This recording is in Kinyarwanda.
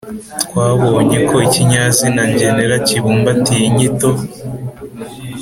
twabonye ko ikinyazina ngenera kibumbatiye inyito